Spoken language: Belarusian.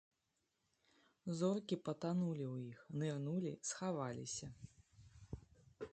Зоркі патанулі ў іх, нырнулі, схаваліся.